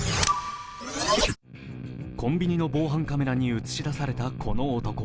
コンビニの防犯カメラに映し出されたこの男。